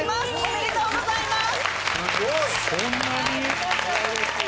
ありがとうございます